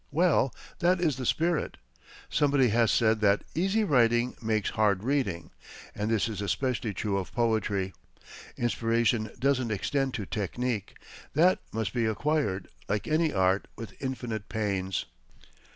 Well, that is the spirit. Somebody has said that "easy writing makes hard reading," and this is especially true of poetry. Inspiration doesn't extend to technic that must be acquired, like any art, with infinite pains.